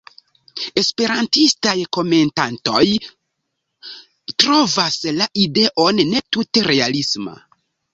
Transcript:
Esperantistaj komentantoj trovas la ideon ne tute realisma.